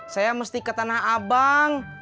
saya mesti ke tanah abang